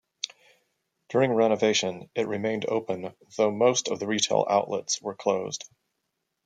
During the renovation, it remained open though most of the retail outlets were closed.